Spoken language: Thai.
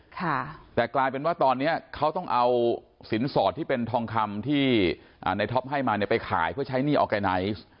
ค่ะแต่กลายเป็นว่าตอนนี้เขาต้องเอาสินสอดที่เป็นทองคำที่อ่าในท็อปให้มาเนี่ยไปขายเพื่อใช้หนี้ออร์แกไนซ์